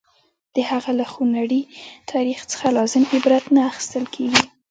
د هغه له خونړي تاریخ څخه لازم عبرت نه اخیستل کېږي.